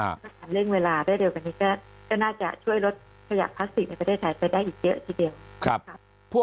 ถ้าทำเร่งเวลาได้เร็วกว่านี้ก็น่าจะช่วยลดขยะพลาสติกในประเทศไทยไปได้อีกเยอะทีเดียว